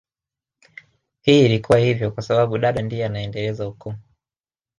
Hii ilikuwa hivyo kwa sababu dada ndiye anayeendeleza ukoo